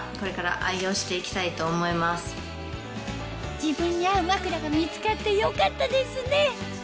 自分に合う枕が見つかってよかったですね！